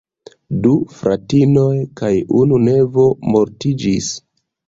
Du fratinoj kaj unu nevo mortiĝis.